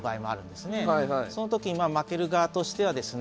その時に負ける側としてはですね